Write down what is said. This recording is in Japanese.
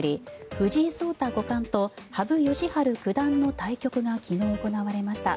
藤井聡太五冠と羽生善治九段の対局が昨日行われました。